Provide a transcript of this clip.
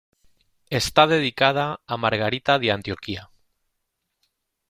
Está dedicada a Margarita de Antioquía.